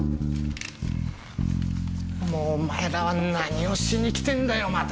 もうお前らは何をしに来てんだよまた。